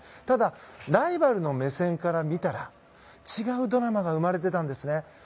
ただ、ライバルの目線から見たら違うドラマが生まれていたんですね。